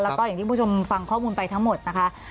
แล้วก็อย่างที่คุณผู้ชมฟังข้อมูลไปทั้งหมดนะคะ